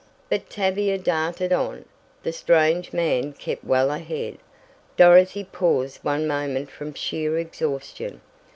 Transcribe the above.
But Tavia darted on. The strange man kept well ahead. Dorothy paused one moment from sheer exhaustion.